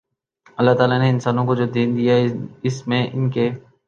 اللہ تعالی نے انسانوں کو جو دین دیا اس میں ان کے